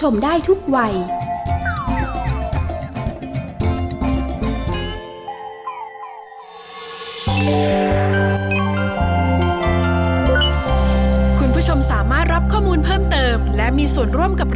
เบกกี้ก็โหลดแล้วค่ะ